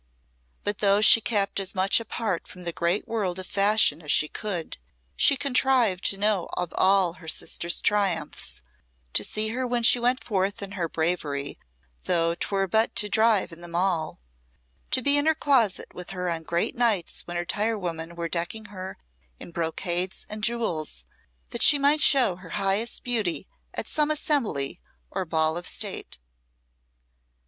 But though she kept as much apart from the great World of Fashion as she could, she contrived to know of all her sister's triumphs; to see her when she went forth in her bravery, though 'twere but to drive in the Mall; to be in her closet with her on great nights when her tirewomen were decking her in brocades and jewels, that she might show her highest beauty at some assembly or ball of State.